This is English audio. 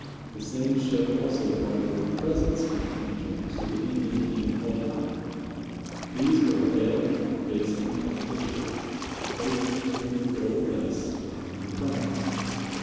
The same ship also brought over presents from King James to the Indian King Powhatan. These were a bed, basin and pitcher, a coat trimmed with gold lace, and a crown.